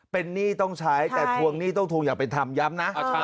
เป็นหนี้ต้องใช้แต่ทวงหนี้ต้องทวงอย่างเป็นธรรมย้ำนะ